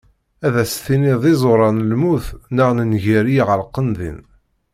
Ad as-tinniḍ d iẓuran n lmut naɣ n nnger i iɛelqen din.